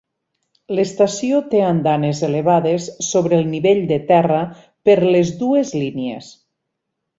L'estació té andanes elevades sobre el nivell de terra per les dues línies.